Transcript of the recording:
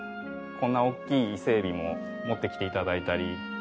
こんな大きい伊勢エビも持ってきて頂いたり。